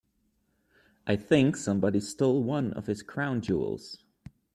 I think somebody stole one of his crown jewels.